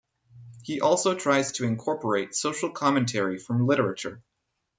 He also tries to incorporate social commentary from literature.